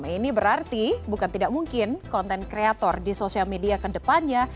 ini berarti bukan tidak mungkin konten kreator di sosial media ke depannya